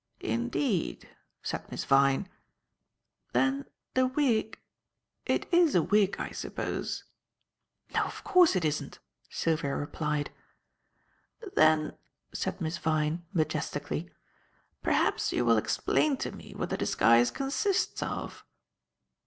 "Indeed," said Miss Vyne. "Then the wig it is a wig, I suppose?" "No, of course it isn't," Sylvia replied. "Then," said Miss Vyne, majestically, "perhaps you will explain to me what the disguise consists of."